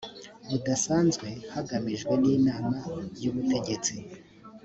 budasanzwe ihamagajwe n inama y ubutegetsi